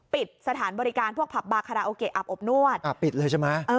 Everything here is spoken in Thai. ปิดสถานบริการพวกผับบาคาราโอเกะอาบอบนวดอ่าปิดเลยใช่ไหม